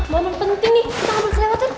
maman penting nih kita ambil sehatin